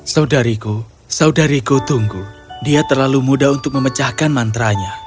saudariku saudariku tunggu dia terlalu mudah untuk memecahkan mantra nya